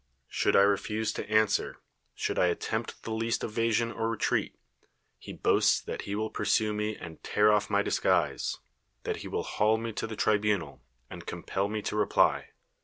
Should I refuse to answer, should I attempt the least evasion or retreat, he boasts that he will pursue me and t ar off my disguise; that he will haul me to the tribunal, and compel me to rei)ly.